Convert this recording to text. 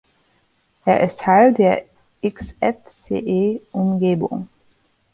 Er ist Teil der Xfce-Umgebung.